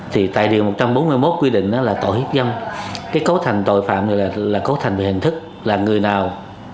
thì tại điều một trăm bốn mươi một quy định đó là tội hiếp dâm cái cấu thành tội phạm này là cấu thành về hình thức là người nào